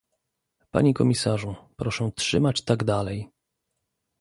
Panie komisarzu, proszę trzymać tak dalej